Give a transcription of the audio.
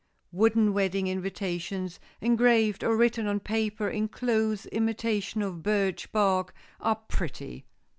Wooden Wedding invitations, engraved or written on paper in close imitation of birch bark, are pretty.